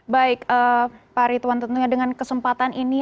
baik pak arif tuan tentunya dengan kesempatan ini